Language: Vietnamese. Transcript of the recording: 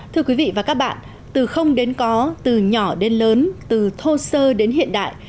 thưa quý vị và các bạn từ không đến có từ nhỏ đến lớn từ thô sơ đến hiện đại